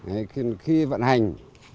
đấy khi vận hành